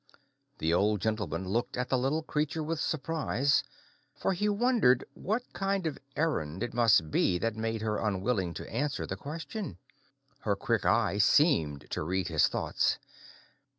The Old Gentleman looked at the little creature with surprise, for he wondered what kind of errand it might be that made her unwilling to answer the question. Her quick eye seemed to read his thoughts.